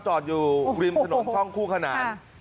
จอดอยู่ริมถนนช่องคู่ขนาน